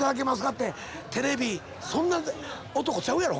ってテレビそんな男ちゃうやろ？